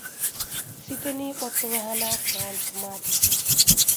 site n'ịkpọtụrụ ha n'akara ntụmadị